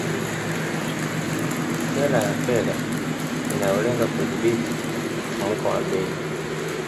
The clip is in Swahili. Sera ya fedha inayolenga kudhibiti mfumuko wa bei